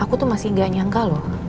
aku tuh masih gak nyangka loh